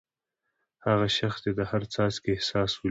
هغه شخص دې د هر څاڅکي احساس ولیکي.